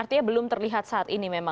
artinya belum terlihat saat ini memang